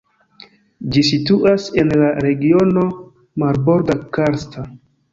Ĝi situas en la Regiono Marborda-Karsta.